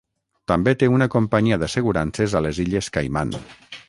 També té una companyia d'assegurances a les Illes Caiman.